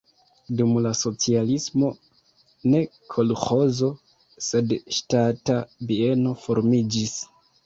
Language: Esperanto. Dum la socialismo ne kolĥozo, sed ŝtata bieno formiĝis.